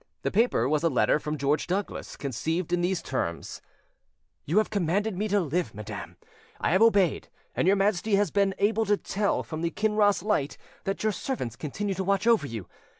The paper was a letter from George Douglas, conceived in these terms: "You have commanded me to live, madam: I have obeyed, and your Majesty has been able to tell, from the Kinross light, that your servants continue to watch over you.